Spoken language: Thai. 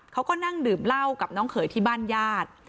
เขาก็นั่งดื่มเหล้ากับน้องเขยที่บ้านญาติ